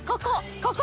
ここ！